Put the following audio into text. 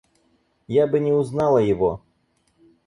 Я бы не узнала его.